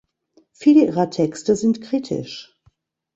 Viele ihrer Texte sind kritisch.